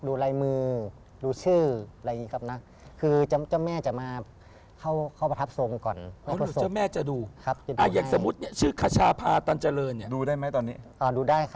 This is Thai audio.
ดูลายมือดูชื่ออะไรอย่างนี้ครับนะ